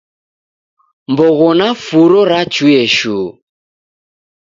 Mbogho na furo rachue shu